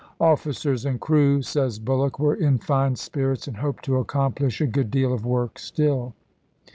" Officers and crew," says Bulloch, " were in fine spirits, and hoped to accomplish a good deal of work still."